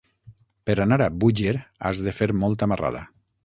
Per anar a Búger has de fer molta marrada.